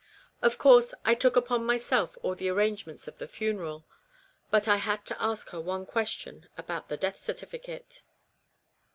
Of course I took upon myself all the arrangements of the funeral, but I had to ask her one question about the death certificate.